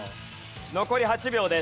残り８秒です。